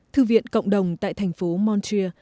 thư viện cộng đồng tại thành phố montreal